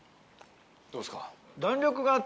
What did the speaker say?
どうですか？